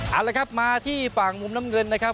เอาละครับมาที่ฝั่งมุมน้ำเงินนะครับ